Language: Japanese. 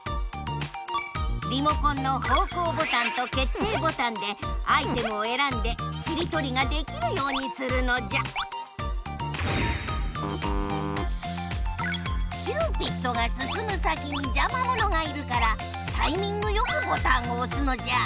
リモコンの方こうボタンとけっていボタンでアイテムをえらんでしりとりができるようにするのじゃキューピッドがすすむ先にじゃまものがいるからタイミングよくボタンをおすのじゃ！